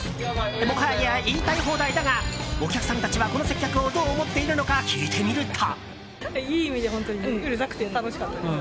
もはや言いたい放題だがお客さんたちはこの接客をどう思っているのか聞いてみると。